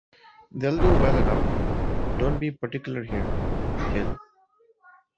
They’ll do well enough; don’t be particular—Here, Bill!